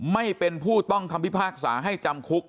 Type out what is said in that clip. ไม่เป็นผู้ต้องคำพิพากษาให้จำคุก